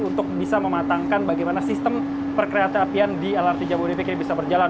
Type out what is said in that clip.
untuk bisa mematangkan bagaimana sistem perkereta apian di lrt jabodebek ini bisa berjalan